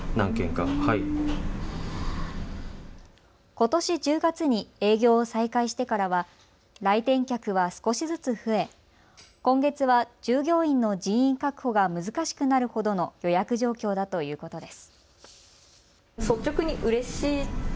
ことし１０月に営業を再開してからは来店客は少しずつ増え今月は従業員の人員確保が難しくなるほどの予約状況だということです。